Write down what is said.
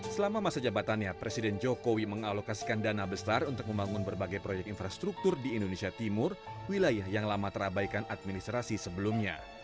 selama masa jabatannya presiden jokowi mengalokasikan dana besar untuk membangun berbagai proyek infrastruktur di indonesia timur wilayah yang lama terabaikan administrasi sebelumnya